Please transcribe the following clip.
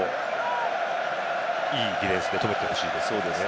ディフェンスで止めてほしいです。